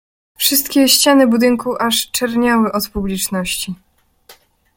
"Wszystkie ściany budynku aż czerniały od publiczności."